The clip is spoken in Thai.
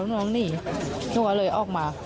หนูก็เลยออกมา